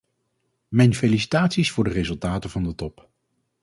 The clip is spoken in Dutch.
Mijn felicitaties voor de resultaten van de top.